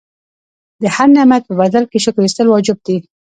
د هر نعمت په بدل کې شکر ایستل واجب دي.